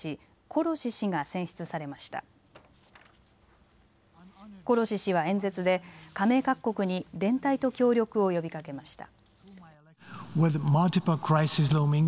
コロシ氏は演説で加盟各国に連帯と協力を呼びかけました。